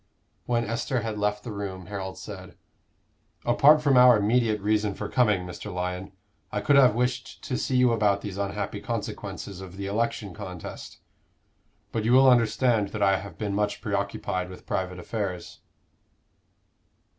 When Esther had left the room, Harold said, "Apart from our immediate reason for coming, Mr. Lyon, I could have wished to see you about these unhappy consequences of the election contest. But you will understand that I have been much preoccupied with private affairs."